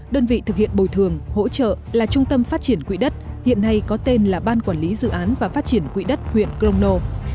đơn vị thực hiện bồi thường hỗ trợ là trung tâm phát triển quỹ đất hiện nay có tên là ban quản lý dự án và phát triển quỹ đất huyện crono